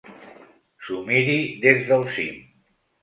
S'ho miri des del cim.